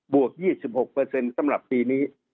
วก๒๖สำหรับปีนี้